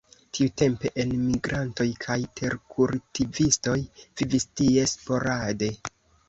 Tiutempe enmigrantoj kaj terkultivistoj vivis tie sporade.